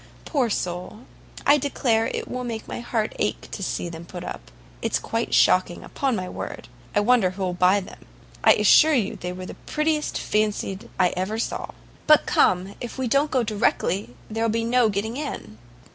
Poor soul! I declare it will make my heart ache to see them put up. It's quite shocking, upon my word. I wonder who'll buy them. I assure you they were the prettiest fancied I ever saw. But come, if we don't go directly, there will be no getting in."